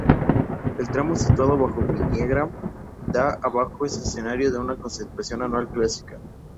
El tramo situado bajo Viniegra de Abajo es escenario de una concentración anual clásica.